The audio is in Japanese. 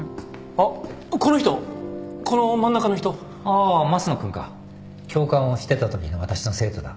ああ益野君か教官をしてたときの私の生徒だ。